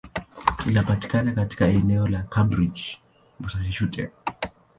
Linapatikana katika eneo la Cambridge, Massachusetts.